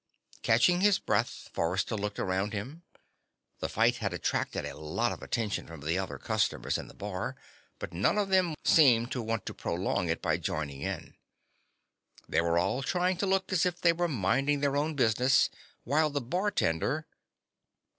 Catching his breath, Forrester looked around him. The fight had attracted a lot of attention from the other customers in the bar, but none of them seemed to want to prolong it by joining in. They were all trying to look as if they were minding their own business, while the bartender